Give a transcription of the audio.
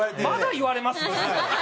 まだ言われます？